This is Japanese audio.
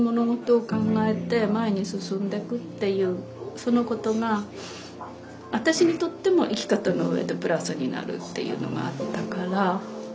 そのことが私にとっても生き方の上でプラスになるっていうのがあったから。